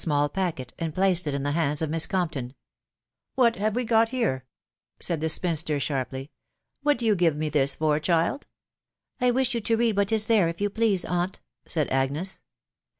small packet, and placed it in the hands of Miss CotnptOB; u What have we got here ?" said the spinster, sharply. ♦.." WhaLdo you give me this for, child?" " I wish you to read what is there, if yon please* aunt," said Agnes.